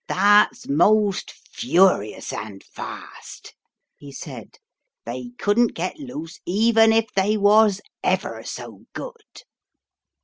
" That's most furious and fast," he said; "they couldn't get loose even if they was ever so good."